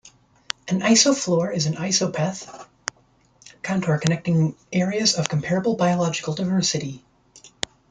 An isoflor is an isopleth contour connecting areas of comparable biological diversity.